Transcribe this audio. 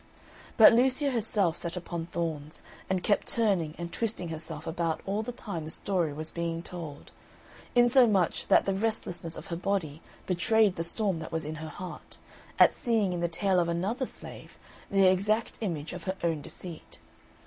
But Lucia herself sat upon thorns, and kept turning and twisting herself about all the time the story was being told; insomuch that the restlessness of her body betrayed the storm that was in her heart, at seeing in the tale of another slave the exact image of her own deceit.